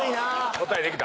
答えできた。